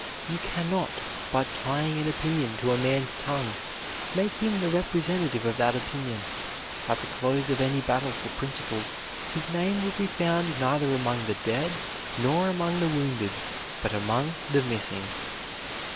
You can not, by tying an opinion to a man's tongue, make him the representative of that opinion; at the close of any battle for principles, his name will be found neither among the dead nor among the wounded, but among the missing.